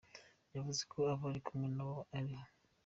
Yavuze ko abo ari kumwe na bo i.